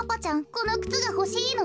このくつがほしいの？